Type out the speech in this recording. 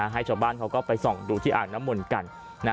ให้ชาวบ้านเขาก็ไปส่องดูที่อ่างน้ำมนต์กัน